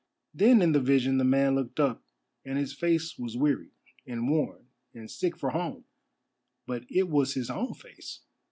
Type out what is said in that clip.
Then in the vision the man looked up, and his face was weary, and worn and sick for home, but it was his own face.